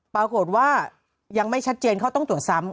ปรากฏว่ายังไม่ชัดเจนเขาต้องตรวจซ้ำ